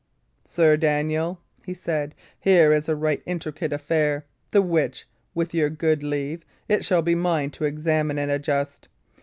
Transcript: "Sir Daniel," he said, "here is a right intricate affair, the which, with your good leave, it shall be mine to examine and adjust.